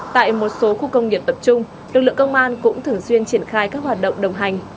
tại một số khu công nghiệp tập trung lực lượng công an cũng thường xuyên triển khai các hoạt động đồng hành